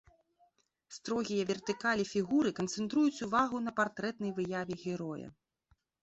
Строгія вертыкалі фігуры канцэнтруюць увагу на партрэтнай выяве героя.